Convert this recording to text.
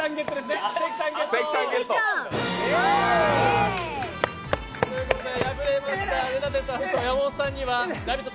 関さんゲット。ということで敗れました文田さんと山本さんにはラヴィット！